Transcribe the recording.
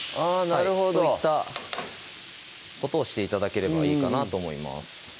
なるほどそういったことをして頂ければいいかなと思います